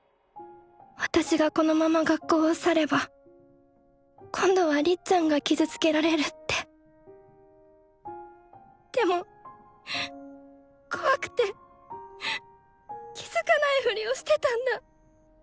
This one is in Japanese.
私がこのまま学校を去れば今度はりっちゃんが傷つけられるってでも怖くて気付かないふりをしてたんだ。